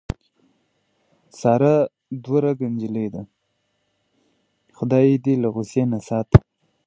ساره دوه رګه نجیلۍ ده. خدای یې دې له غوسې نه ساته.